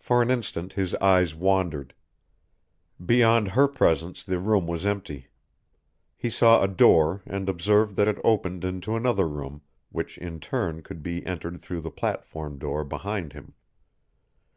For an instant his eyes wandered. Beyond her presence the room was empty. He saw a door, and observed that it opened into another room, which in turn could be entered through the platform door behind him.